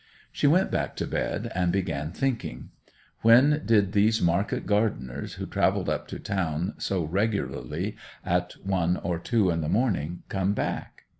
She went back to bed, and began thinking. When did these market gardeners, who travelled up to town so regularly at one or two in the morning, come back?